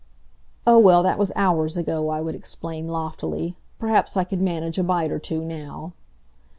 "Oh, well, that was hours ago," I would explain, loftily. "Perhaps I could manage a bite or two now."